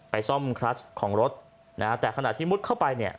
ซ่อมคลัสของรถนะฮะแต่ขณะที่มุดเข้าไปเนี่ย